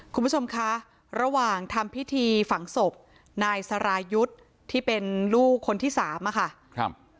คุณผู้ชมคะระหว่างทำพิธีฝังศพนายสรายุทธ์ที่เป็นลูกคนที่สามอะค่ะครับ